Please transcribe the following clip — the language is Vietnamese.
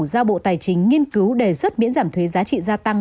giao bộ tài chính nghiên cứu đề xuất miễn giảm thuế giá trị gia tăng